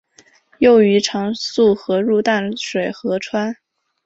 幼鱼常溯河入淡水河川。